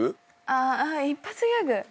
あ一発ギャグ。